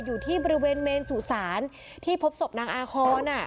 อยู่ที่บริเวณเมนสู่ศาลที่พบศพนางอาคอน